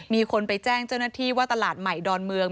มีคนไปแจ้งเจ้าหน้าที่ว่าตลาดใหม่ดอนเมือง